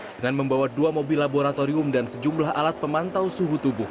dengan membawa dua mobil laboratorium dan sejumlah alat pemantau suhu tubuh